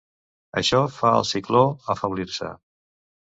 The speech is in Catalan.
Això fa el cicló afeblir-se.